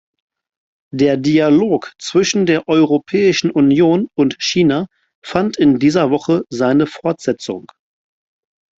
Der Dialog zwischen der Europäischen Union und China fand in dieser Woche seine Fortsetzung.